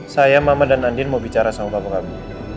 saya mama dan andien mau bicara sama papa kamu